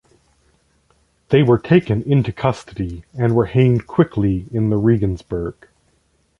They were taken to custody and were hanged quickly in Regensburg.